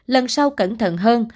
lần sau cẩn thận hơn